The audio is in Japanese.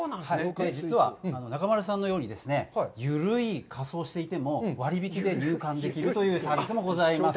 実は、中丸さんのようにゆるい仮装をしていても、割引で入館できるというサービスもございます。